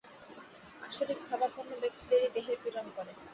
আসুরিক-ভাবাপন্ন ব্যক্তিরাই দেহের পীড়ন করে।